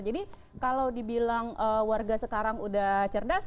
jadi kalau dibilang warga sekarang udah cerdas